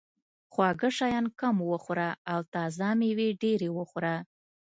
خواږه شیان کم وخوره او تازه مېوې ډېرې وخوره.